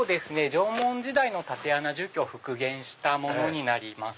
縄文時代の竪穴住居を復元したものになります。